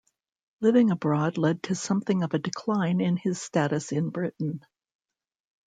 Living abroad led to something of a decline in his status in Britain.